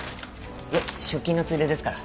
いえ出勤のついでですから。